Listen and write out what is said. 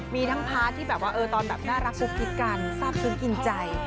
มีทั้งพาร์ทที่ตอนน่ารักภูมิกันทราบคืนกินใจ